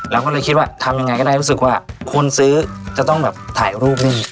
เราก็เลยคิดว่าทำยังไงก็ได้รู้สึกว่าคนซื้อจะต้องแบบถ่ายรูปนี่